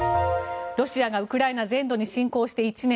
ロシアがウクライナ全土に侵攻して１年。